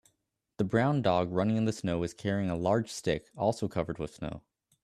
The brown dog running in the snow is carrying a large stick also covered with snow